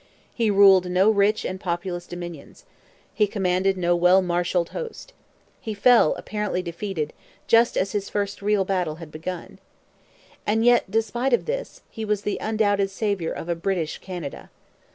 He ruled no rich and populous dominions. He commanded no well marshalled host. He fell, apparently defeated, just as his first real battle had begun. And yet, despite of this, he was the undoubted saviour of a British Canada.